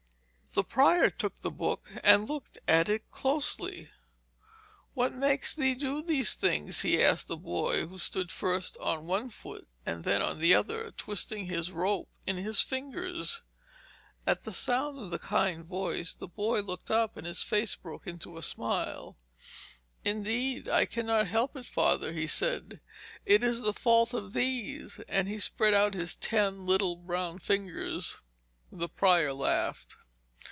The prior took the book and looked at it closely. 'What makes thee do these things?' he asked the boy, who stood first on one foot and then on the other, twisting his rope in his fingers. At the sound of the kind voice, the boy looked up, and his face broke into a smile. 'Indeed, I cannot help it, Father,' he said. 'It is the fault of these,' and he spread out his ten little brown fingers. The prior laughed.